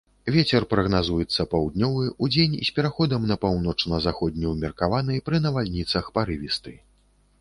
Вецер прагназуецца паўднёвы, удзень з пераходам на паўночна-заходні ўмеркаваны, пры навальніцах парывісты.